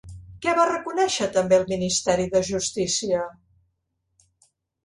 Què va reconèixer també el Ministeri de Justícia?